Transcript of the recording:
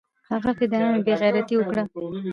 هغه فدايانو بې غيرتي اوکړه.